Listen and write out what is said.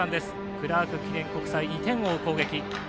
クラーク記念国際２点を追う攻撃。